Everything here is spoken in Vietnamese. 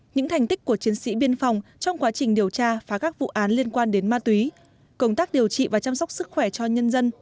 những thành tích của chiến sĩ biên phòng trong quá trình điều tra phá các vụ án liên quan đến ma túy công tác điều trị và chăm sóc sức khỏe cho nhân dân